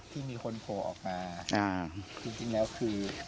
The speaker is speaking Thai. ที่มีคนโผล่ออกมาจริงแล้วคือ